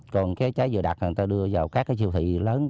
còn trái dừa đặc người ta đưa vào các siêu thị